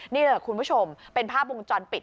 นี่แหละคุณผู้ชมเป็นภาพวงจรปิด